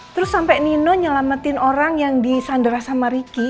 terus sampai nino nyelamatin orang yang disandera sama ricky